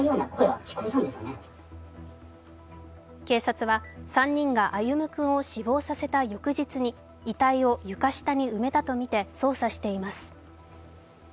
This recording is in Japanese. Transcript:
警察は３人が歩夢君を死亡させた翌日に遺体を床下に埋めたとみて捜査しています。